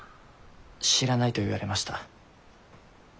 知らないと言われました。